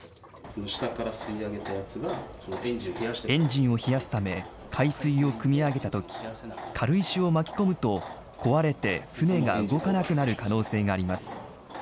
エンジンを冷やすため、海水をくみ上げたとき、軽石を巻き込むと、壊れて、船が動かなくなる可能性があります。